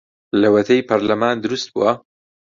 لەوەتەی پەرلەمان دروست بووە